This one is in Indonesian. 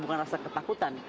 bukan rasa ketakutan